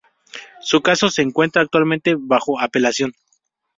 Su caso se encuentra actualmente bajo apelación.